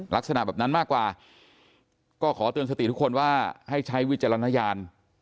ลักษณะแบบนั้นมากกว่าก็ขอเตือนสติทุกคนว่าให้ใช้วิจารณญาณ